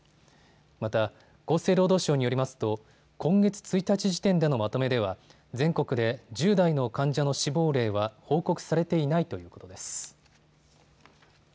また厚生労働省によりますと今月１日時点でのまとめでは、全国で１０代の患者の死亡例は報告されていないということです。